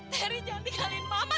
teri jangan tinggalin mama